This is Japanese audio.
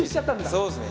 そうっすね。